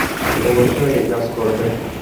অবশ্যই একাজ করবে।